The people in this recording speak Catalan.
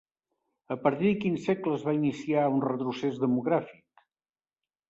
A partir de quin segle es va iniciar un retrocés demogràfic?